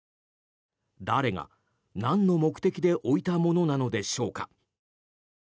誰が、なんの目的で置いたものなのでしょうか。